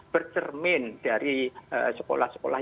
bercermin dari sekolah sekolah